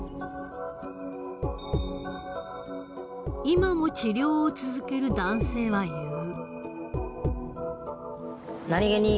今も治療を続ける男性は言う。